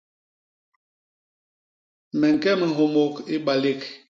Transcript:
Me ñke minhyômôk i balék.